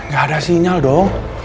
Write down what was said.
gak ada sinyal dong